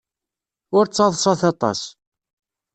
Ur ttaḍḍaset aṭas.